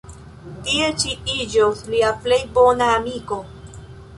Tiu ĉi iĝos lia plej bona amiko.